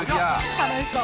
楽しそう。